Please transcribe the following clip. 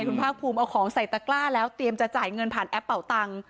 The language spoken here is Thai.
คุณภาคภูมิเอาของใส่ตะกล้าแล้วเตรียมจะจ่ายเงินผ่านแอปเป่าตังค์